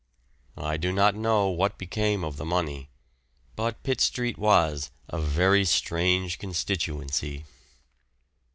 I do not know what became of the money, but Pitt Street was a very strange constituency.